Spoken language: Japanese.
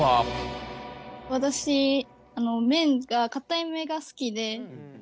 私麺がかためが好きで。